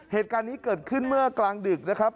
เหตุการณ์นี้เกิดขึ้นเมื่อกลางดึกนะครับ